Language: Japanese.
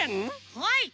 はい。